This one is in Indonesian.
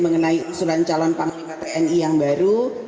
mengenai usulan calon panglima tni yang baru